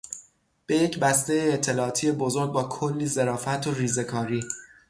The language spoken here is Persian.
به یک بستهٔ اطلاعاتی بزرگ با کلی ظرافت و ریزهکاری